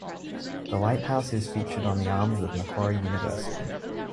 The lighthouse is featured on the arms of Macquarie University.